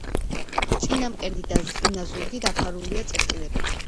წინა მკერდი და წინა ზურგი დაფარულია წერტილებით.